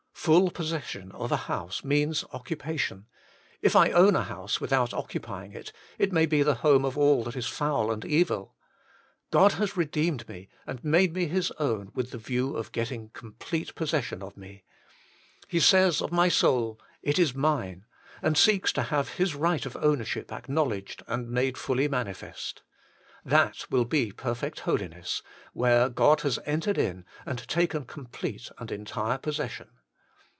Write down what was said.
Full possession of a house means occupation : if I own a house without occupying it, it may be the home of all that is foul and evil. God has redeemed me and made me His own with the view of getting complete possession of me. He says of my soul, ' It is mine,' and seeks to have His right of owner ship acknowledged and made fully manifest. That will be perfect holiness, where God has entered in and taken complete and entire possession.